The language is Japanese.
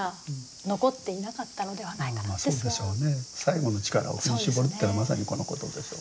最後の力を振り絞るってのはまさにこのことでしょうね。